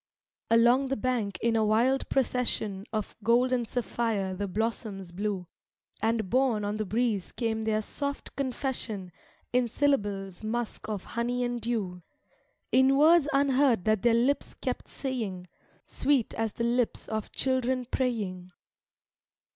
III Along the bank in a wild procession Of gold and sapphire the blossoms blew; And borne on the breeze came their soft confession In syllables musk of honey and dew; In words unheard that their lips kept saying, Sweet as the lips of children praying.